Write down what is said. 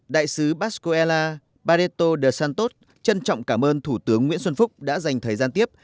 đại sứ bascuela barreto de santos trân trọng cảm ơn thủ tướng nguyễn xuân phúc đã dành thời gian tiếp